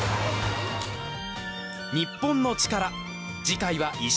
『日本のチカラ』次回は石川県！